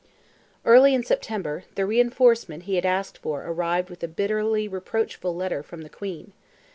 Early in September, the reinforcement he had asked for arrived with a bitterly reproachful letter from the Queen.